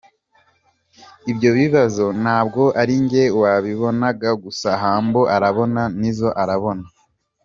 Ibyo bibazo nabwo ari njye wabibonaga gusa Humble arabona Nizzo arabona.